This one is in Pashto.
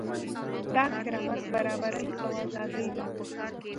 دا کرامت، برابري او ازادي ده.